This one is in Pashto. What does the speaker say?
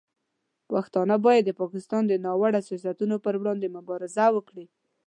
پښتانه باید د پاکستان د ناوړه سیاستونو پر وړاندې مبارزه وکړي.